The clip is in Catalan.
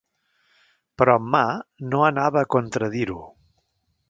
Però Ma, no anava a contradir-ho.